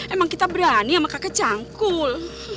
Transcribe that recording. emang kita berani sama kakek cangkul